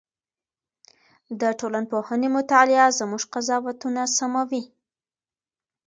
د ټولنپوهنې مطالعه زموږ قضاوتونه سموي.